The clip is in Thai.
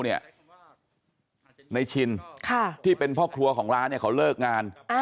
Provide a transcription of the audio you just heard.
ในชินที่เป็นพ่อครัวของร้านเขาเลิกงาน